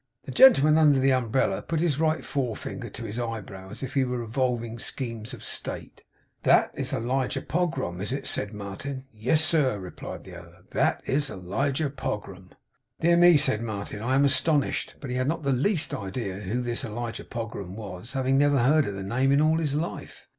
The gentleman under the umbrella put his right forefinger to his eyebrow, as if he were revolving schemes of state. 'That is Elijah Pogram, is it?' said Martin. 'Yes, sir,' replied the other. 'That is Elijah Pogram.' 'Dear me!' said Martin. 'I am astonished.' But he had not the least idea who this Elijah Pogram was; having never heard the name in all his life.